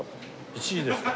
１時ですか。